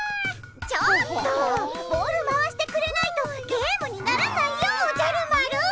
ちょっとボール回してくれないとゲームにならないよおじゃる丸。